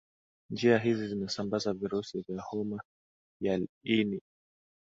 njia hizi zinasambaza virusi vya homa ya ini